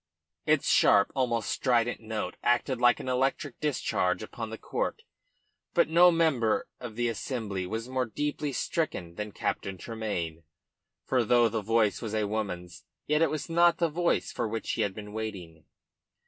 Its sharp, almost strident note acted like an electric discharge upon the court; but no member of the assembly was more deeply stricken than Captain Tremayne. For though the voice was a woman's, yet it was not the voice for which he had been waiting.